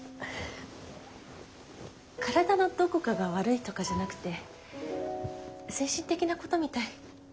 体のどこかが悪いとかじゃなくて精神的なことみたい。